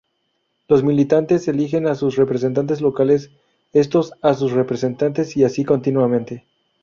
Los militantes eligen a sus representantes locales, estos a sus representantes y así continuamente.